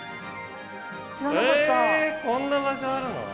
えー、こんな場所あるの？